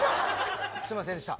すいませんでした。